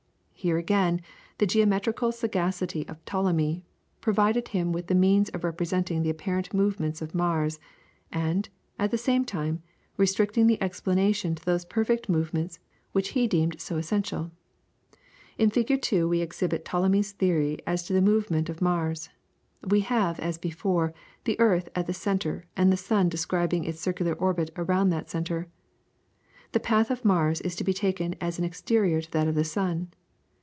Here, again, the geometrical sagacity of Ptolemy provided him with the means of representing the apparent movements of Mars, and, at the same time, restricting the explanation to those perfect movements which he deemed so essential. In Fig. 2 we exhibit Ptolemy's theory as to the movement of Mars. We have, as before, the earth at the centre, and the sun describing its circular orbit around that centre. The path of Mars is to be taken as exterior to that of the sun.